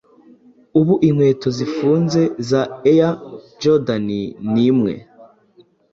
ubu inkweto zifunze za Air Jordan rimwe